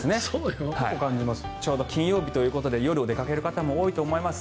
ちょうど金曜日ということで夜、お出かけになる方も多いと思います。